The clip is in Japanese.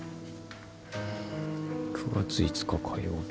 「９月５日火曜日」